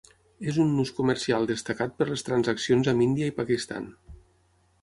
És un nus comercial destacat per les transaccions amb Índia i Pakistan.